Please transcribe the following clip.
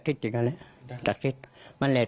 คือจะทักษิตจริงแหละมันแหล่ะ